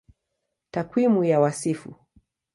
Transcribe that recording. Takwimu ya Wasifu